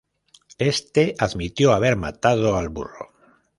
Éste admitió haber matado al burro.